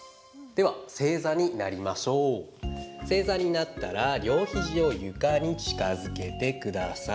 正座になったら両肘を床に近づけてください。